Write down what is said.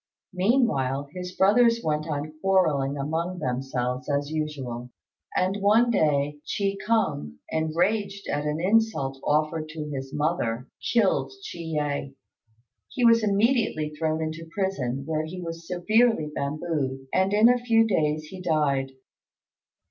Meanwhile, his brothers went on quarrelling among themselves as usual; and one day Chi kung, enraged at an insult offered to his mother, killed Chi yeh. He was immediately thrown into prison, where he was severely bambooed, and in a few days he died.